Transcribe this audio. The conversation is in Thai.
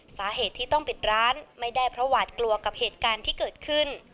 สาเหตุที่ต้องปิดร้านไม่ได้เพราะหวาดกลัวกับเหตุการณ์ที่เกิดขึ้น